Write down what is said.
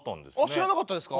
知らなかったですか？